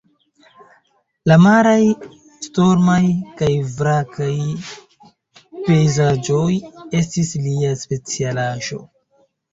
La maraj, stormaj kaj vrakaj pejzaĝoj estis lia specialaĵo.